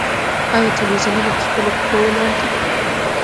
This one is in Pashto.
آیا تلویزیونونه په خپلو پښو ولاړ دي؟